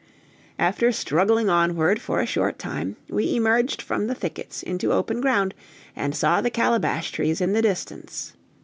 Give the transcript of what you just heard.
After struggling onward for a short time, we emerged from the thickets into open ground, and saw the calabash trees in the distance.